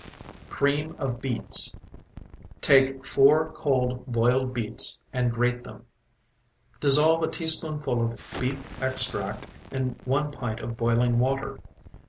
CREAM OF BEETS Take four cold, boiled beets and grate them. Dissolve a teaspoonful of beef extract in one pint of boiling water.